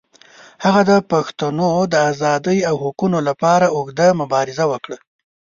هغه د پښتنو د آزادۍ او حقوقو لپاره اوږده مبارزه وکړه.